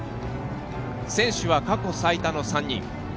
選手は過去最多の３人。